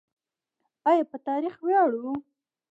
آیا په تاریخ ویاړو؟